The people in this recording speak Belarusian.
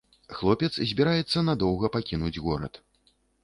Хлопец збіраецца надоўга пакінуць горад.